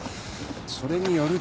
それによると。